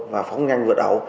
và phóng nhanh vượt ẩu